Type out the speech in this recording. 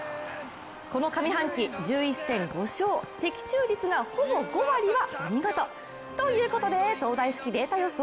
この上半期１１戦５勝、的中率がほぼ５割はお見事。ということで東大式データ予想